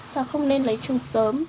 ta không nên lấy trùng sớm